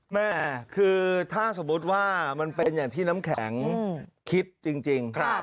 แม่คือถ้าสมมุติว่ามันเป็นอย่างที่น้ำแข็งคิดจริง